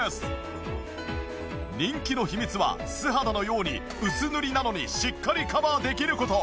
人気の秘密は素肌のように薄塗りなのにしっかりカバーできる事。